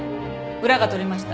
裏が取れました。